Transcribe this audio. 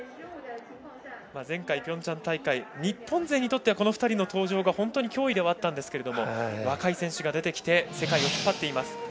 前回ピョンチャン大会日本勢にとってはこの２人の登場が本当に脅威ではあったんですが若い選手が出てきて世界を引っ張っています。